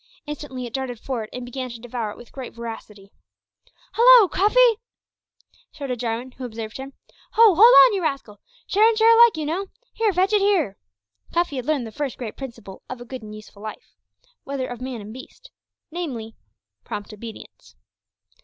Instantly it darted forward and began to devour it with great voracity. "Halo! Cuffy," shouted Jarwin, who observed him; "ho! hold on, you rascal! share and share alike, you know. Here, fetch it here!" Cuffy had learned the first great principle of a good and useful life whether of man or beast namely, prompt obedience.